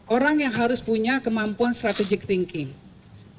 orang yang harus punya kemampuan strategic thinking